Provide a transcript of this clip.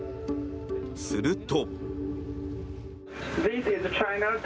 すると。